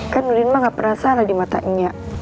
kan nurdin mah gak pernah salah di mata nya